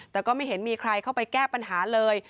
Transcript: แต่ก็ไม่เห็นมีใครเข้าไปแก้ปัญหาเลย